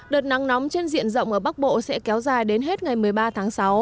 đợt nắng nóng trên diện rộng ở bắc bộ sẽ kéo dài đến hết ngày một mươi ba tháng sáu